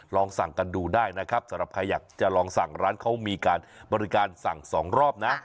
ลองสั่งกันดูได้นะครับสำหรับใครอยากจะลองสั่งร้านเขามีการบริการสั่งสองรอบนะ